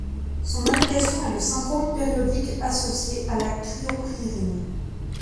Son indication est le syndrome périodique associée à la cryopyrine.